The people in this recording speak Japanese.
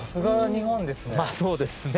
そうですね。